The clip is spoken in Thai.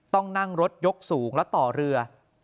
ต้องนั่งรถยกสูงและต่อเรือ